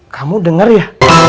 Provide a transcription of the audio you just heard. kamu dengar ya